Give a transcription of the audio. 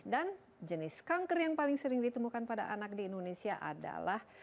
dan jenis kanker yang paling sering ditemukan pada anak di indonesia adalah